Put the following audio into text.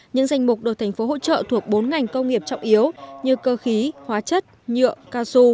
những danh mục được thành phố hỗ trợ thuộc bốn ngành công nghiệp trọng yếu như cơ khí hóa chất nhựa cao su